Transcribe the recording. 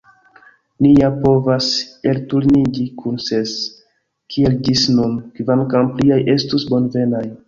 Ni ja povas elturniĝi kun ses, kiel ĝis nun, kvankam pliaj estus bonvenaj.